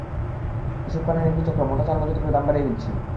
এসব কারণে একটি চক্র মোটা চাল মজুত করে দাম বাড়িয়ে দিচ্ছে।